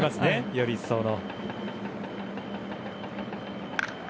より一層の。